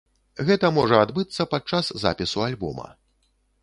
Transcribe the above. Гэта можа адбыцца падчас запісу альбома.